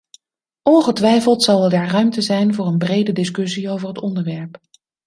Ongetwijfeld zal er daar ruimte zijn voor een brede discussie over het onderwerp.